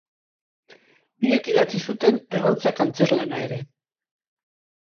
Biek idatzi zuten Errautsak antzezlana ere.